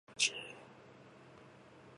ｆｆｊ